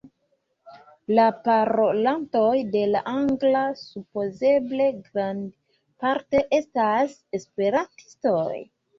La parolantoj de la angla supozeble grandparte estas esperantistoj.